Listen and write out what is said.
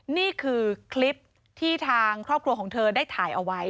นี่คือคลิปที่ทางครอบครัวของเธอได้ถ่ายเอาไว้